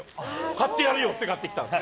買ってやるよって買って来たんです。